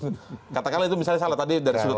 pdip sendiri tidak ingin mengembalikan presiden